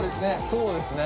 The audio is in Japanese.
そうですね。